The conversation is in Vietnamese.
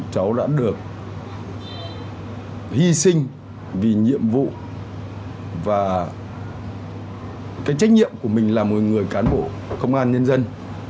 cháu đã được hy sinh vì nhiệm vụ và cái trách nhiệm của mình là một người cán bộ công an nhân dân